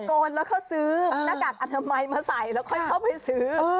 โกนแล้วเขาซื้อหน้ากากอนามัยมาใส่แล้วค่อยเข้าไปซื้อ